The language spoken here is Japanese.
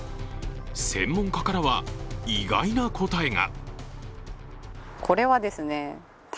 専門家からは意外な答えが。